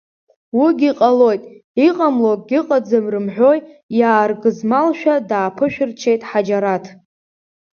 Уигьы ҟалоит, иҟамло акгьыҟаӡам рымҳәои, иааргызмалшәа дааԥышәарччеит Ҳаџьараҭ.